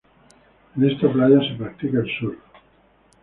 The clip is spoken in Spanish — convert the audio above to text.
En esta playa se práctica el surf.